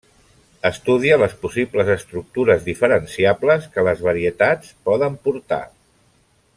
Estudia les possibles estructures diferenciables que les varietats poden portar.